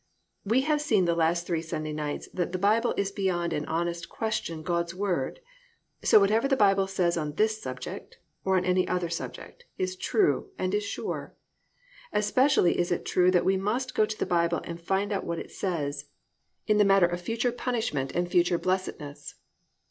We have seen the last three Sunday nights that the Bible is beyond an honest question God's word, so whatever the Bible says on this subject, or any other subject, is true and is sure. Especially is it true that we must go to the Bible and find what it says in the matter of future punishment and future blessedness.